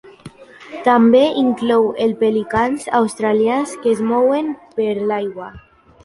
També inclou els pelicans australians que es mouen per l'aigua.